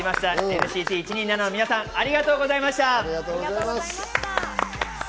ＮＣＴ１２７の皆さん、ありがとうございました。